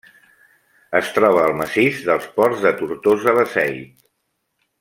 Es troba al massís dels Ports de Tortosa-Beseit.